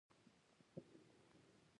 چوپتیا اختیار کړئ! چي د ژبي له شره په امن سئ.